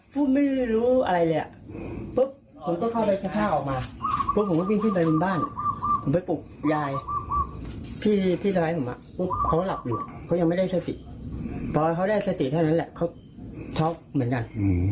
เพราะเขาได้สติเท่านั้นแหละเขาชอบเหมือนกัน